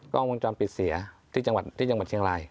กล้องวงจรปิดเสียที่จังหวัดเชียงราย